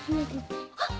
あっ！